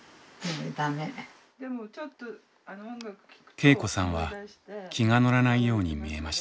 恵子さんは気が乗らないように見えました。